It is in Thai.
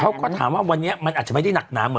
เค้าถามว่าวันนี้มันได้นักน้ำอะไร